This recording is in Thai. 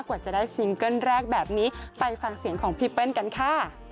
กว่าจะได้ซิงเกิ้ลแรกแบบนี้ไปฟังเสียงของพี่เปิ้ลกันค่ะ